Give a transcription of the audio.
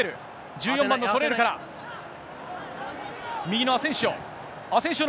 １４番のソレールから、右のアセンシオ。